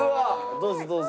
どうぞどうぞ。